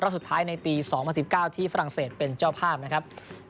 รอดสุดใดในปีสองตำรับสิบเก้าที่ฝรั่งเศสเป็นเจ้าภาพนะครับ